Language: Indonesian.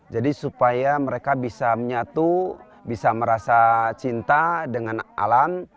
jadi supaya mereka bisa menyatu bisa merasa cinta dengan alam